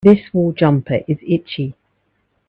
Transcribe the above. This wool jumper is itchy.